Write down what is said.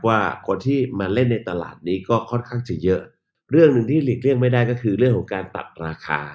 ว่าคนที่มาเล่นในตลาดนี้ก็ค่อนข้างจะเยอะเรื่องหนึ่งที่หลีกเลี่ยงไม่ได้ก็คือเรื่องของการตัดราคา